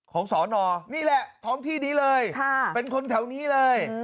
สอนอนี่แหละท้องที่นี้เลยเป็นคนแถวนี้เลย